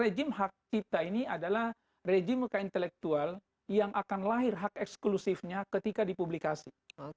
rejim hak cipta ini adalah rejimeka intelektual yang akan lahir hak eksklusifnya ketika dipublikasi